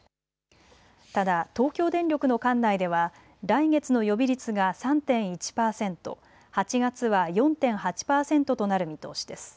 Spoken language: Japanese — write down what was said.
ただ東京電力の管内では来月の予備率が３．１％、８月は４．８％となる見通しです。